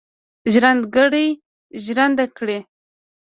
ژرندهګړی ژرنده کړي.